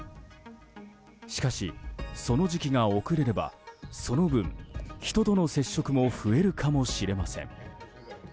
しかし、その時期が遅れればその分、人との接触も増えるかもしれません。